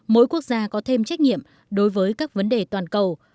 mỗi quốc gia có thêm trách nhiệm đối với các vấn đề toàn cầu